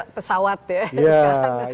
ya ini pesawat udara nirawak kita sebutnya